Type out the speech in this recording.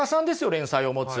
連載を持つ。